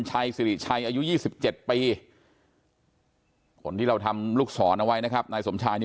ชัยสิริชัยอายุ๒๗ปีคนที่เราทำลูกศรเอาไว้นะครับนายสมชายนี่